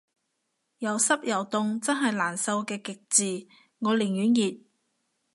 有濕又凍真係難受嘅極致，我寧願熱